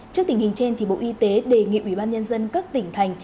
trước tình hình trên bộ y tế đề nghị ubnd các tỉnh thành